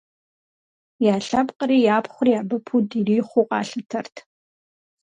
Я лъэпкъри япхъури абы пуд ирихъуу къалъытэрт.